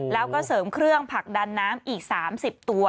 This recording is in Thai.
แล้วก็เสริมเครื่องผลักดันน้ำอีก๓๐ตัว